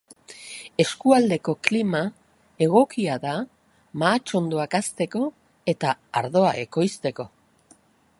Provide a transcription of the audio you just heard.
Eskualdeko klima egokia da mahatsondoak hazteko eta ardoa ekoizteko.